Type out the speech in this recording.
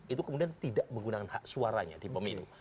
itu kemudian tidak menggunakan hak suaranya di pemilu